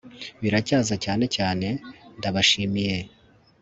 biracyaza, cyane cyane ndabashimiye